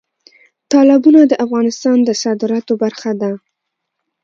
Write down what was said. تالابونه د افغانستان د صادراتو برخه ده.